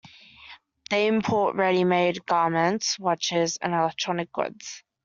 They import ready-made garments, watches and electronic goods.